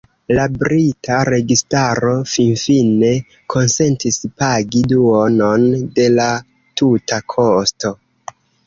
La brita registaro finfine konsentis pagi duonon de la tuta kosto.